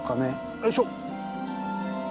よいしょ！